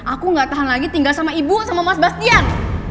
aku gak tahan lagi tinggal sama ibu sama mas bastian